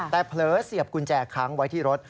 แต่เผลอเสียบกุญแจค้างไว้ที่รถ